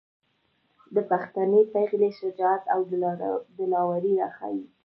د پښتنې پېغلې شجاعت او دلاوري راښايي.